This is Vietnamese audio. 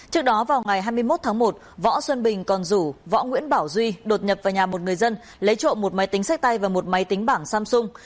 trước đó vào ngày hai mươi một tháng một võ xuân bình còn rủ võ nguyễn bảo duy đột nhập vào nhà một người dân lấy trộm một máy tính sách tay và một máy tính bảng samsung